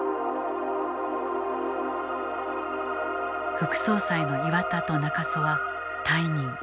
副総裁の岩田と中曽は退任。